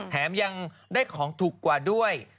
แถมยังได้ของถูกกว่าด้วย